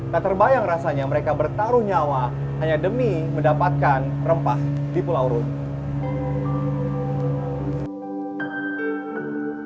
tak terbayang rasanya mereka bertaruh nyawa hanya demi mendapatkan rempah di pulau rute